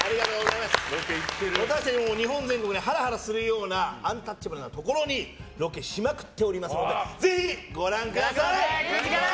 日本全国でハラハラするようなアンタッチャブルなところにロケしまくっておりますのでぜひご覧ください。